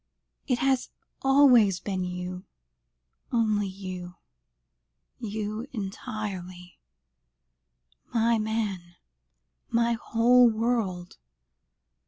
It has always been you only you you entirely, my man, my whole world."